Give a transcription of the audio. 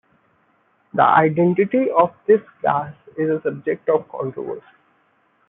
The identity of this gas is a subject of controversy.